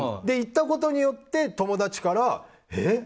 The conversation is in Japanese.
言ったことによって、友達からえ？